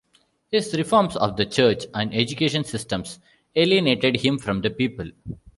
His reforms of the church and education systems alienated him from the people.